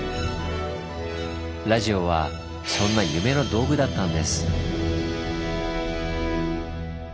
ラジオはそんな「夢の道具」だったんです。